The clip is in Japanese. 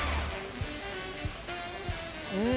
うん！